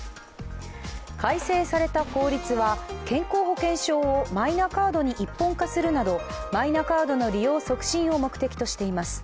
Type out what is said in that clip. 改正された法律は健康保険証をマイナカードに一本化するなどマイナカードの利用促進を目的としています。